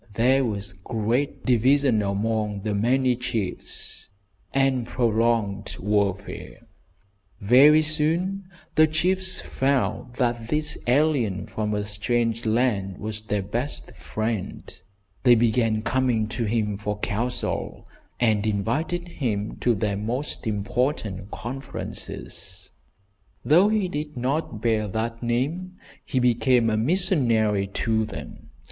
There was great division among the many chiefs, and prolonged warfare. Very soon the chiefs found that this alien from a strange land was their best friend. They began coming to him for counsel, and invited him to their most important conferences. Though he did not bear that name, he became a missionary to them.